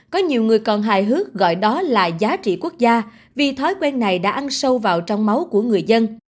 có nhiều người còn hài hước gọi đó là giá trị quốc gia vì thói quen này đã ăn sâu vào trong máu của người dân